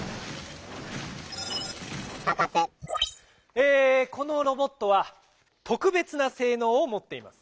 えこのロボットはとくべつなせいのうをもっています。